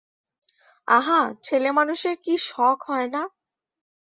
আহা, ছেলেমানুষের কি শখ হয় না।